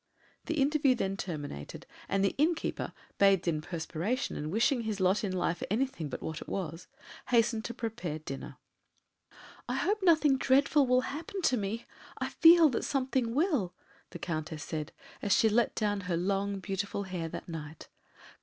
The interview then terminated, and the innkeeper, bathed in perspiration and wishing his lot in life anything but what it was, hastened to prepare dinner. "I hope nothing dreadful will happen to me; I feel that something will," the Countess said, as she let down her long beautiful hair that night.